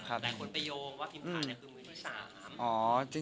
หลายคนไปโยงว่าภิมทาคือมือที่๓